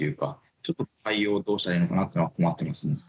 ちょっと対応どうしたらいいのかなっていうのは困ってますね。